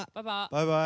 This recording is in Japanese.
バイバイ！